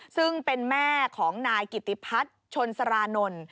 ซึ่งเป็นแม่ของนายกิติพัฒชลสารณ